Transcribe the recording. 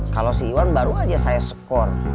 kalau si iwan baru aja saya skor